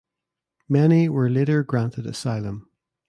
Many were later granted asylum.